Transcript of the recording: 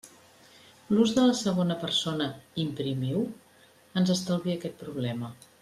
L'ús de la segona persona, imprimiu, ens estalvia aquest problema.